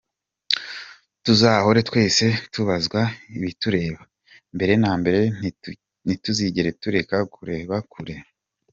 Tuzahora twese tubazwa ibitureba, mbere na mbere ntituzigera tureka kureba kure.